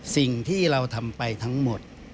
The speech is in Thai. สิ่งที่เราทำไปทั้งหมด